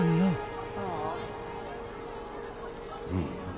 うん。